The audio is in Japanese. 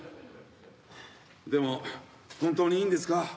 でも本当にいいんですか？